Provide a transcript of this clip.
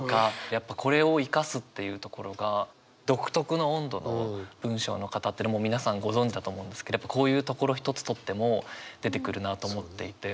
やっぱこれを生かすっていうところが独特の温度の文章の方っていうのはもう皆さんご存じだと思うんですけどこういうところ一つとっても出てくるなと思っていて。